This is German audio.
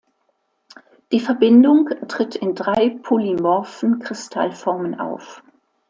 Die Verbindung tritt in drei polymorphen Kristallformen auf.